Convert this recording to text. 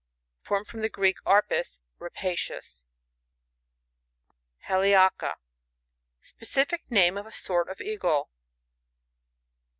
(Formed from the Greek, arpax, rapacious.) Hrliaca. — Specific name of a sort of Eagle.